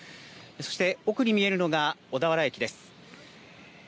そして奥に見えるのが小田原駅です。